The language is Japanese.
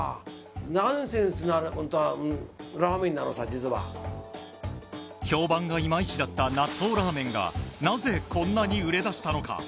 実は評判がいまいちだった納豆ラーメンがなぜこんなに売れだしたのか？